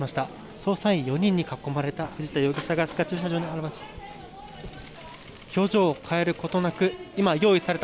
捜査員４人に囲まれた藤田容疑者が地下駐車場に現れました。